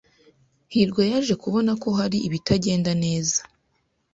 hirwa yaje kubona ko hari ibitagenda neza.